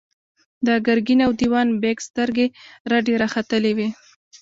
د ګرګين او دېوان بېګ سترګې رډې راختلې وې.